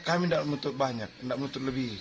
kami tidak menuntut banyak tidak menuntut lebih